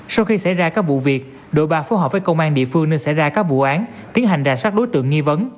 sau khi xảy ra các vụ việc đội ba phối hợp với công an địa phương nên xảy ra các vụ án